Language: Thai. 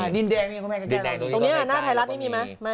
ดินแดงนี่คุณแม่ก็แจ้งตรงนี้หน้าไทยรัฐนี่มีไหม